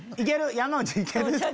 山内行ける？